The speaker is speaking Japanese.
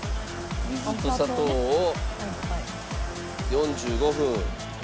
水と砂糖を４５分。